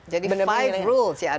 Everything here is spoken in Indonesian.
jadi lima rules ya